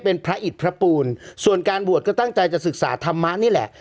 เป็นพระอิตพระปูนส่วนการบวชก็ตั้งใจจะศึกษาธรรมะนี่แหละ